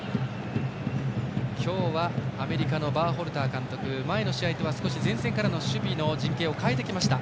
今日はアメリカのバーホルター監督前の試合とは少し前線からの守備の陣形を変えてきました。